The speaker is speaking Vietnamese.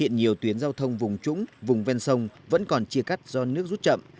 nhiều tuyến giao thông vùng trúng vùng ven sông vẫn còn chia cắt do nước rút chậm